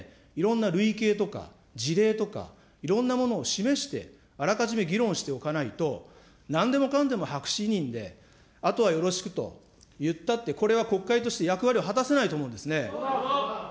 となれば、やはり国会審議の中でいろんな累計とか、事例とか、いろんなものを示して、あらかじめ議論しておかないと、何でもかんでもで、あとはよろしくと言ったって、これは国会として役割を果たせないと思うんですね。